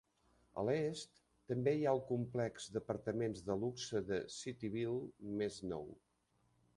A l'est també hi ha el complex d'apartaments de luxe de Cityville més nou.